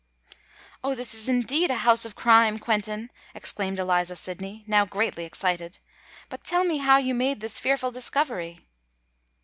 "Oh! this is indeed a house of crime, Quentin!" exclaimed Eliza Sydney, now greatly excited. "But tell me how you made this fearful discovery!"